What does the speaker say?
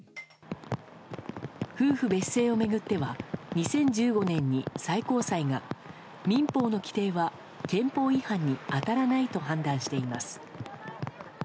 夫婦別姓を巡っては２０１５年に最高裁が民法の規定は憲法違反に当たらないと判断しています。